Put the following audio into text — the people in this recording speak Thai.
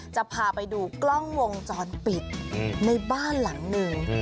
จะพาไปดูกล้องวงจรปิดในบ้านหลังหนึ่ง